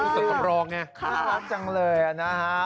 เป็นส่วนตำรองไงค่ะค่ะน่ารักจังเลยนะฮะ